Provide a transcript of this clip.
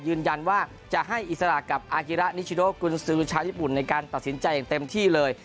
ยืนยันว่าจะให้อิสระกับอากิระนิชโนกุญซือชาวญี่ปุ่นในการตัดสินใจอย่างเต็มที่เลย